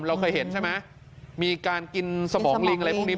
เราเคยเห็นใช่ไหมมีการกินสมองลิงอะไรพวกนี้